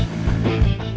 saya akan menemukan mereka